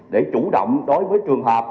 để chủ động đối với trường hợp